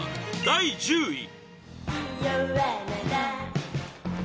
第１０位